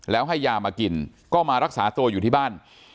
แล้วให้ยามากินก็มารักษาตัวอยู่ที่บ้าน